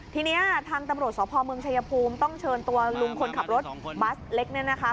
ทีนี้ทางตำรวจสพเมืองชายภูมิต้องเชิญตัวลุงคนขับรถบัสเล็กเนี่ยนะคะ